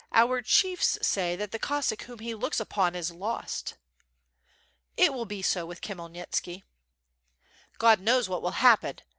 Our chiefs say that the Cossack whom he looks upon is lost." "It will be so with Khmyelnitski." "God knows what will happen.